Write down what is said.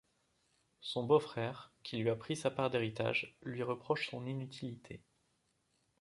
Son beau-frère, qui lui a pris sa part d’héritage, lui reproche son inutilité.